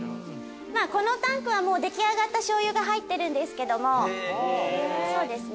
このタンクはもう出来上がった醤油が入ってるんですけどもそうですね。